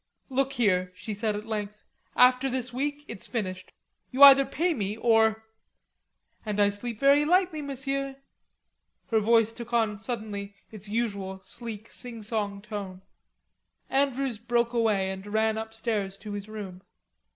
"Look here," she said at length, "after this week, it's finished. You either pay me, or...And I sleep very lightly, Monsieur." Her voice took on suddenly its usual sleek singsong tone. Andrews broke away and ran upstairs to his room.